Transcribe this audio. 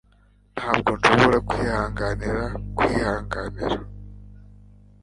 Ntabwo nshobora kwihanganira kwihanganira